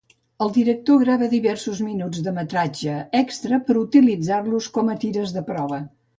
El director grava diversos minuts de metratge extra per utilitzar-los com a tires de prova.